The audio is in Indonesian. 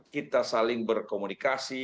kita saling berkomunikasi